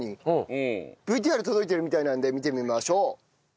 ＶＴＲ届いてるみたいなので見てみましょう。